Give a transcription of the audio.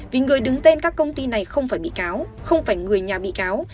vì người đứng tên các công ty này không phải bị cáo không phải người nhà bị cáo